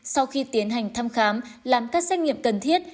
sau khi tiến hành thăm khám làm các xét nghiệm cần thiết